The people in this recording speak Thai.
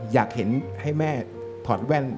อยากเห็นให้แม่ถอดแว่น